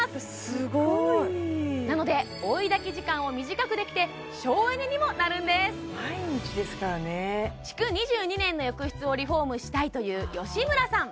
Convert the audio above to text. すごいなので追い焚き時間を短くできて省エネにもなるんです毎日ですからね築２２年の浴室をリフォームしたいという吉村さん